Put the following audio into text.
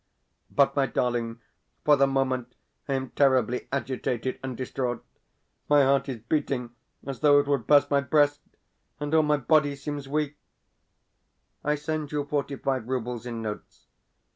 But, my darling, for the moment I am terribly agitated and distraught. My heart is beating as though it would burst my breast, and all my body seems weak.... I send you forty five roubles in notes.